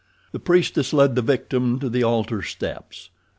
The priestess led the victim to the altar steps.